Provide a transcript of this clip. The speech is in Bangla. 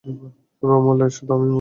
এভাবে মরলে, শুধু আমিই মরবো।